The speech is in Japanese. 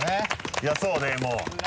いやそうねもう。